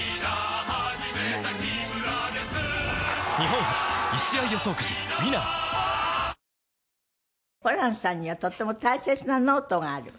ホランさんにはとっても大切なノートがある。